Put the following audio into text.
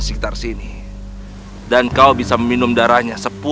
tapi janin yang ada dalam perutku ini bobo